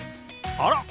あら？